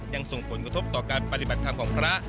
ยังส่งผลกระทบต่อการปฏิบัติธรรมของพระ